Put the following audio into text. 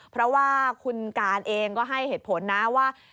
เพราะว่าคุณการเองก็ให้เหตุผลนะว่า